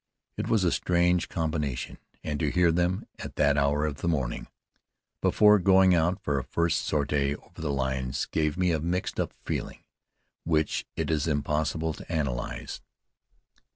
It was a strange combination, and to hear them, at that hour of the morning, before going out for a first sortie over the lines, gave me a "mixed up" feeling, which it was impossible to analyze.